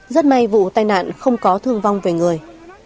rất may vụ tai nạn không có thương vong về người